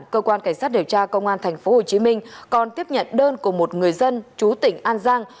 cơ quan cảnh sát điều tra công an tp hcm còn tiếp nhận đơn của một người dân chú tỉnh an giang